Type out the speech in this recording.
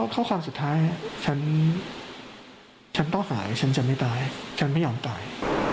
ข้อความสุดท้ายฉันต้องหายฉันจะไม่ตายฉันไม่ยอมตาย